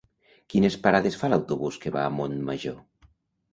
Quines parades fa l'autobús que va a Montmajor?